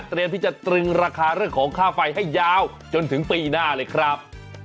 ที่จะตรึงราคาเรื่องของค่าไฟให้ยาวจนถึงปีหน้าเลยครับ